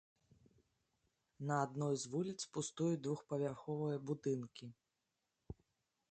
На адной з вуліц пустуюць двухпавярховыя будынкі.